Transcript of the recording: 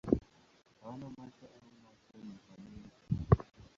Hawana macho au macho ni madogo tu.